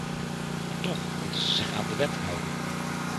Maar toch moeten ze zich aan de wet houden.